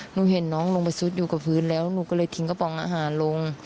หนูเห็นน้องลงไปซุดอยู่กับพื้นแล้วหนูก็เลยทิ้งกระป๋องอาหารลง